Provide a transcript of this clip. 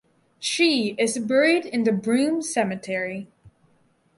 She is buried in the Broome cemetery.